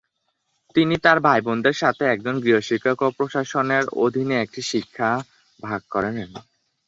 তিনি তার ভাইবোনদের সাথে একজন গৃহশিক্ষক ও প্রশাসনের অধীনে একটি শিক্ষা ভাগ করে নেন।